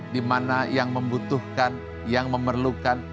dimana yang membutuhkan yang memerlukan